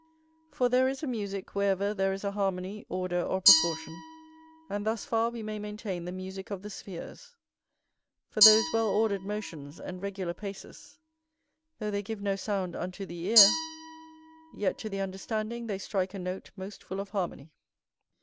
For there is a musick wherever there is a harmony, order, or proportion; and thus far we may maintain "the musick of the spheres:" for those well ordered motions, and regular paces, though they give no sound unto the ear, yet to the understanding they strike a note most full of harmony.